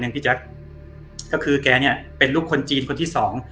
พี่แจ๊คก็คือแกเนี่ยเป็นลูกคนจีนคนที่สอง